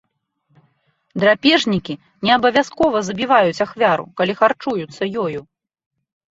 Драпежнікі не абавязкова забіваюць ахвяру, калі харчуюцца ёю.